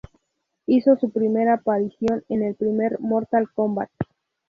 Hizo su primera aparición en el primer "Mortal Kombat".